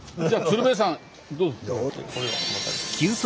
じゃあ鶴瓶さんどうぞ。